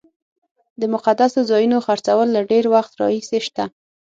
د مقدسو ځایونو خرڅول له ډېر وخت راهیسې شته.